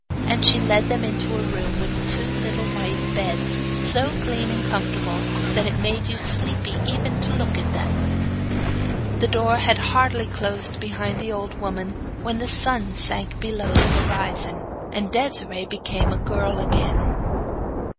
And she led them into a room with two little white beds, so clean and comfortable that it made you sleepy even to look at them. The door had hardly closed behind the old woman when the sun sank below the horizon, and Desiree became a girl again.